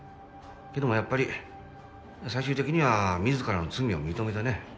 けどもやっぱり最終的には自らの罪を認めてね。